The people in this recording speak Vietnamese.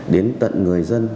đến tận người dân